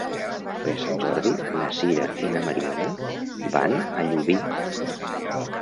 Per Sant Jordi na Sira i na Mariona van a Llubí.